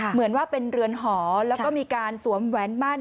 เหมือนว่าเป็นเรือนหอแล้วก็มีการสวมแหวนมั่น